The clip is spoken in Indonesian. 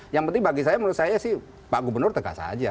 yang penting bagi saya menurut saya sih pak gubernur tegas saja